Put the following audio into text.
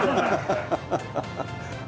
ハハハハッ。